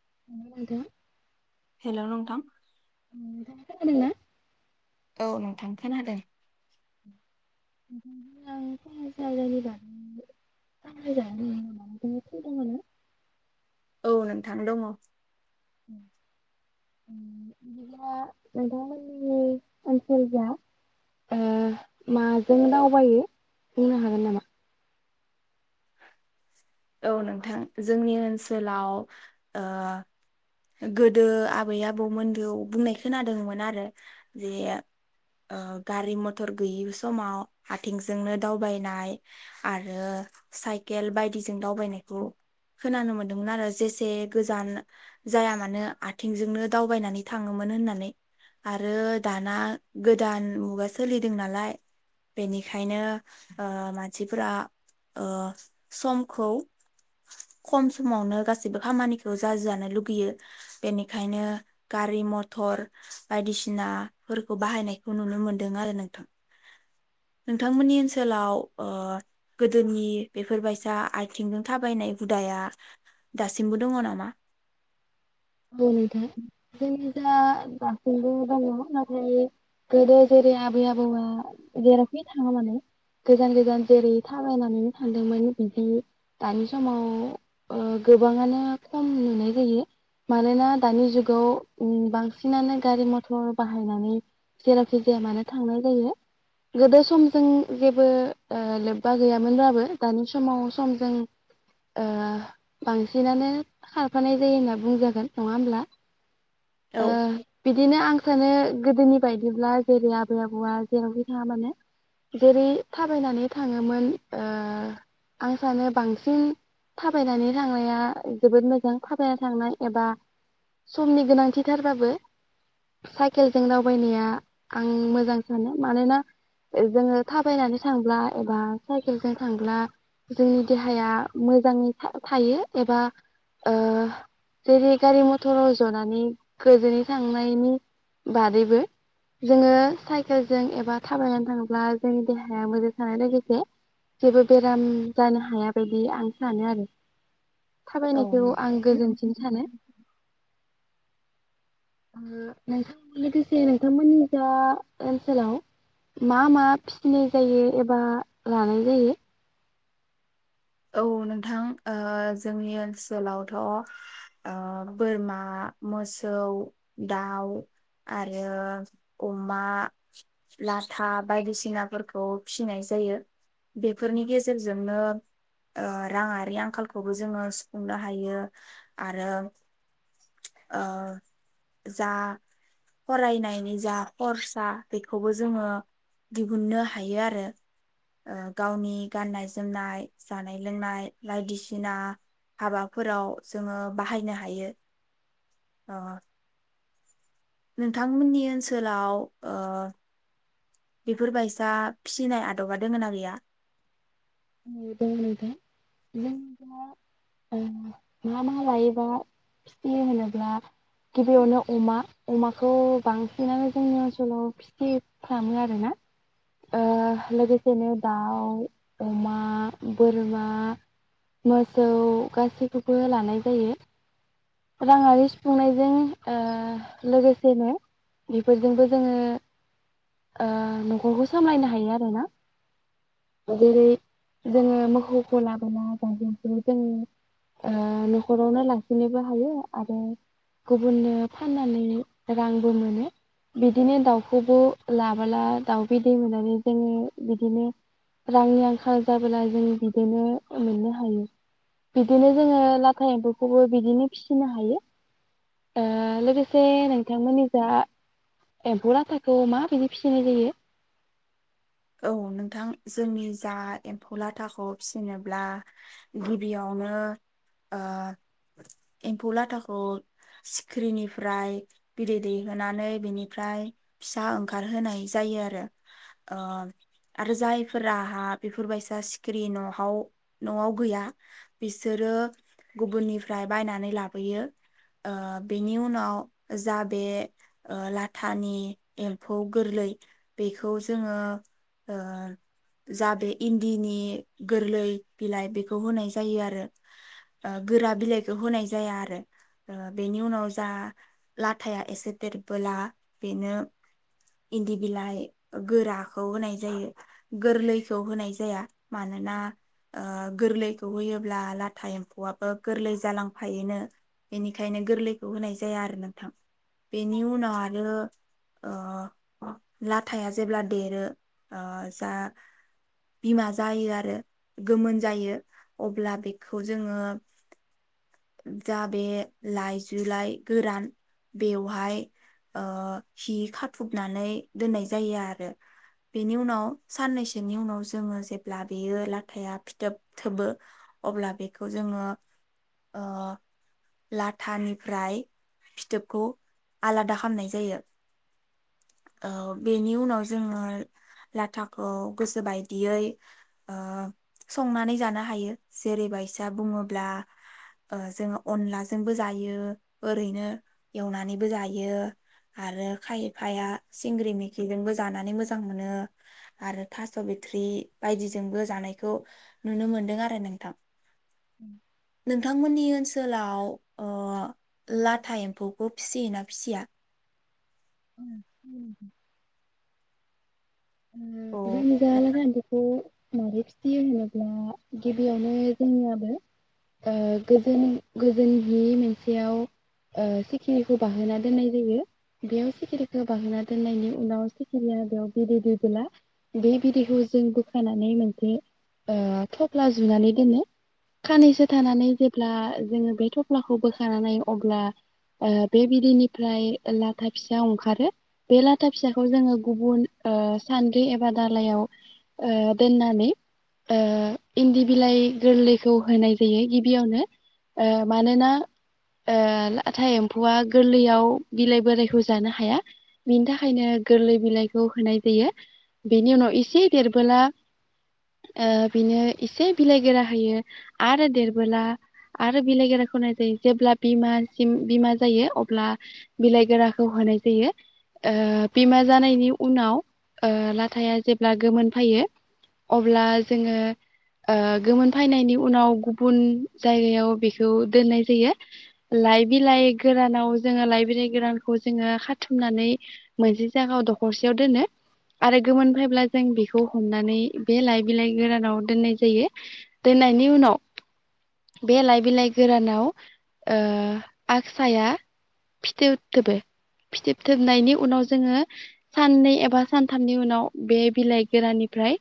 [unintelligible] हेल नोंथां [unintelligible] औ नोंथां खोनादों [unintelligible] ना? औ नोंथां दङ नोंथांमोनि [unintelligible] माजों दावबायो बुंनो हागोन नामा औ नोंथां जोंनि ओनसोलाव ओ गोदो आबै आबौमोनबो बुंनाय खोनादोंमोन आरो जे ओ गारि मथर गैयि समाव आथिंजोंनो दावबायनाय आरो साइके [unintelligible] खेल बायदिजों दावबायनायखौ खोनानो मोनदोंमोन आरो जेसे गोजान जाया मानो आथिंजोंनो दावबायनानै थाङोमोन होननानै आरो दाना गोदान मुगा सोलिदों नालाय बेनिखायनो ओ मानसिफोरा ओ समखौ खम समावनो गासैबो खामानिखौ जाजानो लुगैयो बेनिखायनो गारि मथर बायदिसिनाफोरखौ बाहायनायखौ नुनो मोनदों आरो नोंथां नोंथांमोननि ओनसोलाव ओ गोदोनि बेफोरबायदि जा आथिंजों थाबायनाय हुदाया दासिमबो दङ नामा औ नोथां जोंनि दा दासिमबो दङ नाथाय गोदो जेरै आबै आबौआ जेरावखि थाङा मानो गोजान गोजान जेरै थाबायनानैनो थांदोंमोन बिदि दानि समाव ओ गोबाङानो खम नुनाय जायो मानोना दानि जुगाव बांसिनानो गारि मथर बाहायनानै जेरावखि जाया मानो थांनाय जायो गोदो समजों जेबो लोब्बा गैयामोनब्लाबो दानि समाव समजों ओ बांसिनानो खारफानाय जायो होनना बुंजा गोन नङा होमब्ला औ ओ बिदिनो आं सानो गोदोनि बायदि जेब्ला जोंनि आबै आबौआ जेरावखि थाङा मानो जेरै थाबायनानै थाङोमोन ओ आं सानो बांसिन थाबायनानै थांनाया जोबोद मोजां थाबायनानै थांनाय एबा समनि गोनांथिथारबाबो साइकेलजों दावबायनाया आं मोजां सानो मानोना जोङो थाबायनानै थांब्ला एबा साइकेलजों थांब्ला जोंनि देहाया मोजाङै थायो एबा ओ जेरै गारि मथराव जनानै गोजोनै थांनायनि बादैबो जोङो साइकेलजों एबा थाबायनानै थांब्ला जोंनि देहाया मोजां थानाय लोगोसे जेबो बेराम जानो हाया बायदि आं सानो आरो औ थाबायनायखौ आं नोंथां गोजोन [unintelligible] लोगोसे नोंथांमोननि जा ओनसोलाव मा मा फिसिनाय जायो एबा लानाय जायो औ नोंथां जोंनि ओनसोलावथ' ओ बोरमा, मोसौ, दाउ आरो अमा, लाथा बायदिसिनाफोरखौ फिनाय जायो बेफोरनि गेजेरजोंनो औ राङारि आंखालखौबो जोङो सुफुंनो हायो आरो ओ जा फरायनायनि जा खरसा बेखौबो जोङो दिहुननो हायो आरो ओ गावनि गाननाय जोमनाय जानाय लोंनाय बायदिसिना हाबाफोराव जोङो बाहायनो हायो अ नोंथांमोननि ओनसोलाव ओ बेफोरबायसा फिसिनाय आदबा दोङो ना गैया? दं नोथां जों [unintelligible] दा ओ मा मा लायोबा फिसिहोनोब्ला गिबियावनो अमा अमाखौ बांसिनानो जोंनि ओनसोलाव फिसिफ्रामो आरोना ओ लोगोसेनो दाउ अमा बोरमा मोसौ गासैखौबो लानाय जायो राङारि सुफुंनायजों ओ लोगोसेनो बेफोरजोंबो जोङो ओ न'खरखौ सामलायनो हायो आरोना जेरै जोङो मोखौखौ लाबोला गारजेनखौ जोङो ओ न'खरावनो लांखिनोबो हायो आरो गुबुननो फाननानै रांबो मोनो बिदिनो दाउखौबो लाबोला दाउ बिदै मोनानै जोङो बिदिनो रांनि आंखाल जाबोला जों बिदिनो मोननो हायो बिदिनो जोङो लाथा एम्फौखौबो बिदिनो फिसिनो हायो ओ लोगोसे नोंथांमोननि जा एम्फौ लाथाखौ मा बिदि‌ फिसिनाय जायो औ नोंथां जोंनि जा एम्फौ लाथाखौ फिसिनोब्ला गिबियावनो ओ एम्फौ लाथाखौ सिखिरिनिफ्राय बिदै दैहोनोनानै बेनिफ्राय फिसा ओंखारहोनाय जायो आरो ओ आरो जायफोराहा बेफोरबायसा सिखिरि नहाव नआव गैया बिसोरो गुबुननिफ्राय बायनानै लाबोयो ओ बेनि उनाव जा बे लाथानि एम्फौ गोरलै बेखौ जोङो ओ जा बे इन्दिनि गोरलै बिलाइ बेखौ होनाय जायो आरो गोरा बिलाइखौ होनाय जाया आरो बेनि उनाव जा लाथाया एसे देरबोला बेनो इन्दि बिलाइ गोराखौ होनाय जायो गोरलैखौ होनाय जाया मानोना ओ गोरलैखौ होयोब्ला लाथा एम्फौआबो गोरलै जालांफायोनो बेनिखायनो गोरलैखौ होनाय जाया आरो नोंथां बेनि उनाव आरो ओ ला हिथाया जेब्ला देरो जा बिमा जायो आरो गोमोन जायो अब्ला बेखौ जोङो जा बे लाइजुलाइ गोरान बेवहाय ओ हि खाथुबनानै दोननाय जायो आरो बेनि उनाव साननैसोनि उनाव जोङो जेब्ला बेयो लाथाया फिथोब थोबो अब्ला बेखौ जोङो ओ लाथानिफ्राय फिथोबखौ आलादा खालामनाय जायो ओ बेनि उनाव जोङो लाथाखौ गोसो बायदियै ओ संनानै जानो हायो जेरै बायसा बुङोब्ला ओ जोङो अनलाजोंबो जायो ओरैनो एवनानैबो जायो आरो खायफाया सिंग्रि मै [unintelligible] बिजोंबो जानानै मोजां मोनो आरो थास' बिथ्रि बायदिजोंबो जानायखौ नुनो मोनदों आरो नोंथां नोंथांमोननि ओनसोल जोलाव ओ लाथा एम्फौखौ फिसियोना फिसिया उम उम [unintelligible] औ जों जाला नोंथां सानथोखौ‌ [inaudible] मारै फिसियो होनोब्ला गिबियावनो जोंनियाबो ओ गोजोन गोजोन जि मोनसेयाव ओ सिखिरिखौ बाहोना दोननाय जायो बेयाव सिखिरिखौ बाहोना दोननायनि उनाव सिखिरिया बेयाव बिदै दैबोला बे बिदैखौ जों बोखानानै मोनसे ओ थफ्ला जुनानै दोनो खाननैसो थानानै जेब्ला जोङो बे थफ्लाखौ बोखानानै नायो अब्ला ओ बे बिदैनिफ्राय लाथा फिसा अंखारो बे लाथा फिसाखौ जोङो गुबुन ओ सान बे एबा दालायाव ओ दोननानै ओ इन्दि बिलाइ गोरलैखौ होनाय जायो गिबियावनो ओ मानोना ओ लाथा एम्फौआ गोरलैयाव बिलाइ बोराइखौ जानो हाया बिनि थाखायनो गोरलै बिलाइखौ होनाय जायो बेनि उनाव एसे देरबोला ओ बिनो एसे बिलाइ गोरा होयो आरो देरबोला आरो बिलाइ गोराखौनो होनाय जायो जेब्ला बिमासिम बिमा जायो अब्ला बिलाइ गोराखौ होनाय जायो ओ बिमा जानायनि उनाव ओ फिथाइआ जेब्ला गोमोन फायो अब्ला जोङो ओ गोमोन फाइनायनि उनाव गुबुन जायगायाव बेखौ दोननाय जायो लाइ बिलाइ गोरानाव जोङो लाइ बिलाइ गोरानखौ जोङो खाथुमनानै मोनसे जायगायाव दखरसेयाव दोनो आरो गोमोन फैब्ला जों बेखौ हमनानै बे लाइ बिलाइ गोरानाव दोननाय जायो दोननायनि उनाव बे लाइ बिलाइ गोरानाव ओ आसाया फिथोबथोबो फिथोबथोबनायनि उनाव जोङो साननै एबा सानथामनि उनाव बे बिलाइ गोराननिफ्राय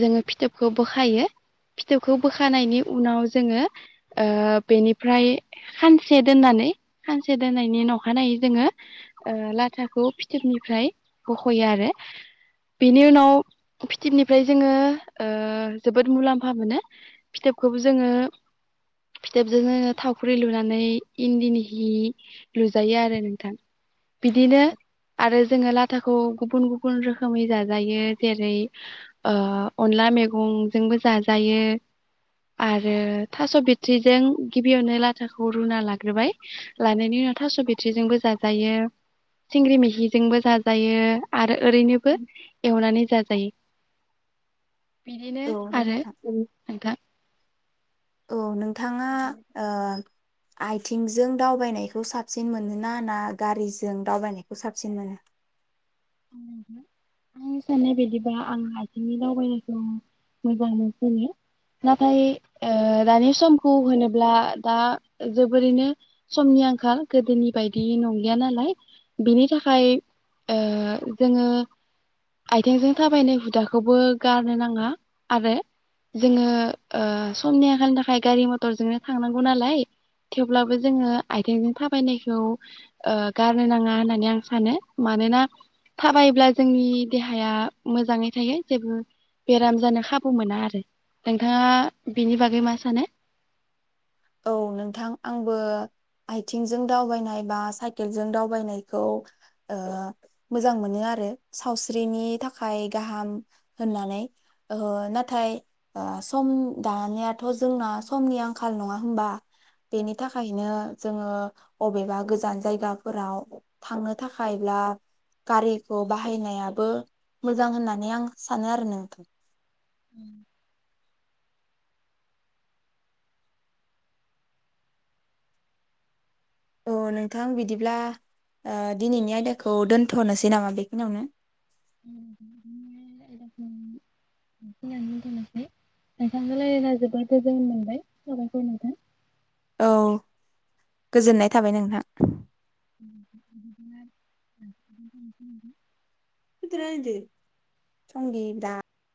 जोङो फिथोबखौ बोखायो फिथोबखौ बोखानायनि उनाव जोङो ओ बेनिफ्राय खानसे दोननानै खानसे दोननायनि अखानायै जोङो लाथाखौ फिथोबनिफ्राय बख'यो आरो बेनि उनाव फिथोबनिफ्राय जोङो ओ जोबोद मुलाम्फा मोनो फिथोबखौबो जोङो फिथोबजो जों थावख्रि लुनानै इन्दिनि हि लुजायो आरो नोंथां बिदिनो आरो जोङो लाथाखौ गुबुन गुबुन रोखोमै जाज जायो जेरै ओ अनला मेगंजोंबो जाजायो आरो थास' बिथ्रिजों गिबियावनो लाथाखौ रुना लाग्रोबाय लानायनि उनाव थास' बिथ्रिजोंबो जाजायो सिंग्रि मैखिजोंबो जाजायो आरो ओरैनोबो नानै जाजायो बिदिनो आरो नोंथां औ नों थाङा ओ आइथिंजों दावबायनायखौ साबसिन मोनोना ना ना गारिजों दावबायनायखौ साबसिन मोनो आंनि साननाय बायदिबा आं आइथिंजों दावबायनायखौ मोजां मोनसिनो नाथाय दानि समखौ होनोब्ला दा जोबोरैनो समनि आंखाल गोदोनि बायदि नंलिया नालाय बेनि थाखाय ओ जोङो आइथेंजों थाबायनाय हुदाखौबो गारनो नाङा आरो जोङो ओ समनि आंखालनि थाखाय गारि मथरजोंनो थांनांगौ नालाय थेवब्लाबो जोङो आइथेंजों थाबायनायखौ ओ गारनो नाङा होननानै आं सानो मानोना थाबायोब्ला जोंनि देहाया मोजाङै थायो जेबो बेराम जानो खाबु मोना आरो नोंथाङा बेनि बागै मा सानो औ नोंथां आंबो आथिंजों दावबायनाय बा साइकेलजों दावबायनायखौ ओ मोजां मोनो आरो सावस्रिनि थाखाय गाहाम होननानै ओ नाथाय अ सम दानियाथ' जोंना समनि आंखाल नङा होमबा बेनि थाखायनो जोङो अबेबा गोजान जायगाफोराव थांनो थाखायब्ला गारिखौ बाहायनायाबो मोजां होननानै आं सानो आरो नों औ नोंथां बिदिब्ला ओ दिनैनि आयदाखौ दोन्थनोसै नामा बेखिनियावनो [unintelligible] औ गोजोननाय थाबाय नोंथां [inaudible] [unintelligible] संगि [unintelligible]